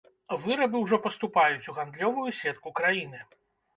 Вырабы ўжо паступаюць у гандлёвую сетку краіны.